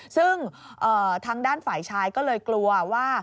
ซึ่งทางด้านฝ่ายชายก็เลยกลัวว่า